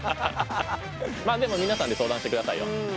まあでも皆さんで相談してくださいよ。